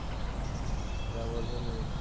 যা বলবেন, মিস!